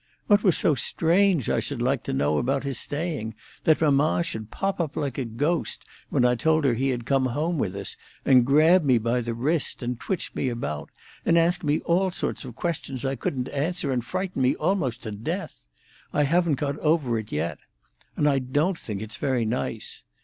"What was so strange, I should like to know, about his staying, that mamma should pop up like a ghost, when I told her he had come home with us, and grab me by the wrist, and twitch me about, and ask me all sorts of questions I couldn't answer, and frighten me almost to death? I haven't got over it yet. And I don't think it's very nice.